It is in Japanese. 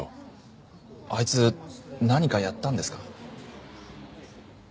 あいつ何かやったんですか？